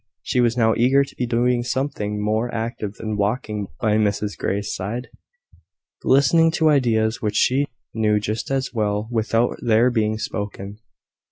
She was now eager to be doing something more active than walking by Mrs Grey's side, listening to ideas which she knew just as well without their being spoken.